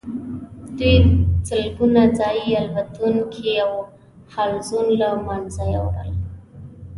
دوی سلګونه ځايي الوتونکي او حلزون له منځه یوړل.